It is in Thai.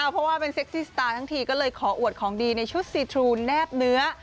เพราะว่าเป็นเซ็กซี่สตาร์ทั้งทีก็เลยขออวดของดีในชุดซีทรูแนบเนื้อ